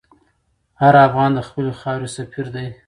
هر افغان د خپلې خاورې سفیر دی.